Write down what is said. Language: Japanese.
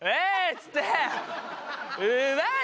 つってうまい！